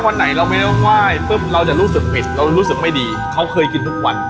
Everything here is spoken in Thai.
วันไหนเราไม่ได้กล้าเว้ยว่าเราจะรู้สึกผิดรู้สึกไม่ดีเขาเคยกินทุกวัน